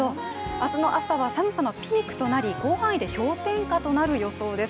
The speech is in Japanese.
明日の朝は寒さのピークとなり広範囲で氷点下となる予想です。